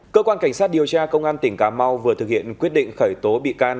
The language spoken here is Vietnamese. cơ quan cảnh sát điều tra công an tỉnh cà mau vừa thực hiện quyết định khởi tố bị can